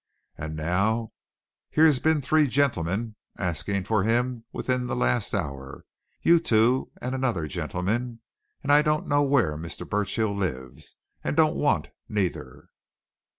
And now here's been three gentlemen asking for him within this last hour you two and another gentleman. And I don't know where Mr. Burchill lives, and don't want, neither!"